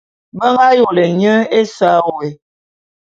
Be ngā yôlé nye ésa wé.